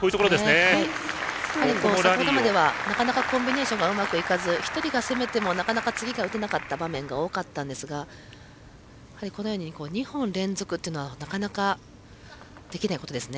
なかなか、コンビネーションがうまくいかず、１人が攻めても次が打てなかった場面が多かったんですがこのように２本連続というのはなかなかできないことですね。